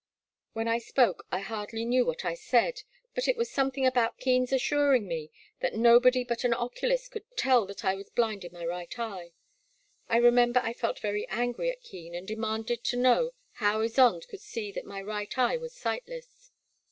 When I spoke I hardly knew what I said, but it was something about Keen's assuring me that nobody but an oculist could tell that I was blind in my right eye. I remember I felt very angry at Keen, and demanded to know how Ysonde could see that my right eye was sightless.